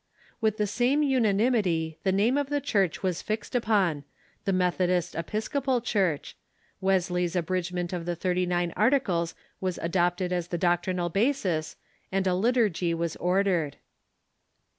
With the same unanimity the name of the Church was fixed upon — the Methodist Episcopal Church — Wesley's abridgment of the Thirty nine Articles was adopted as the doctrinal basis, and a liturgy was ordered.